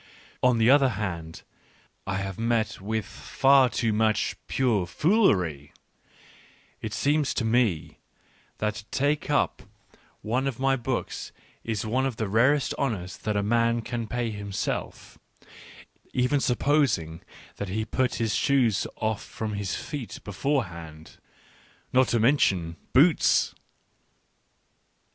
On the other hand, I have met with far too much pure foolery !... It seems to me that to take up one Digitized by Google 56 ECCE HOMO of my books is one of the rarest honours that a man can pay himself — even supposing that he put his shoes from off his feet beforehand, not to mention boots.